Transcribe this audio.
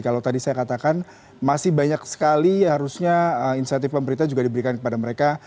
kalau tadi saya katakan masih banyak sekali harusnya insentif pemerintah juga diberikan kepada mereka